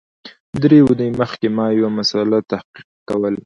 درې اونۍ مخکي ما یو مسأله تحقیق کول